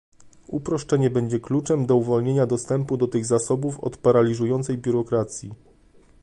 Uproszczenie będzie kluczem do uwolnienia dostępu do tych zasobów od paraliżującej biurokracji